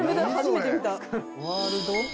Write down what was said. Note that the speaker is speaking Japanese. ワールド。